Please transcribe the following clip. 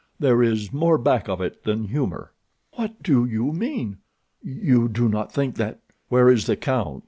"There is more back of it than humor." "What do you mean? You do not think that—" "Where is the count?"